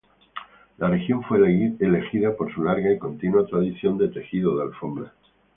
La región fue elegida por su larga y continua tradición de tejido de alfombras.